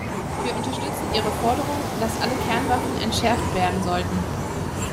Wir unterstützen ihre Forderung, dass alle Kernwaffen entschärft werden sollten.